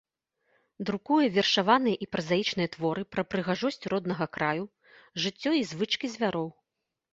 Друкуе вершаваныя і празаічныя творы пра прыгажосць роднага краю, жыццё і звычкі звяроў.